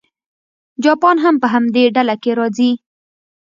جاپان هم په همدې ډله کې راځي.